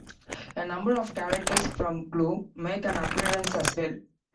A number of characters from "Glue" make an appearance as well.